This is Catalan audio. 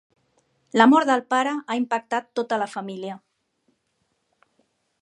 La mort del pare ha impactat tota la família.